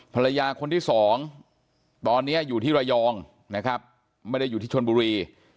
ภรรยาคนที่สองตอนนี้อยู่ที่ระยองนะครับไม่ได้อยู่ที่ชนบุรี